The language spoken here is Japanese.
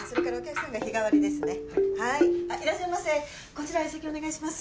こちら相席お願いします。